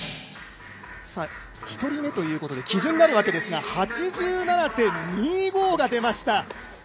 １人目ということで基準となるわけですが、８７．２５が出ました。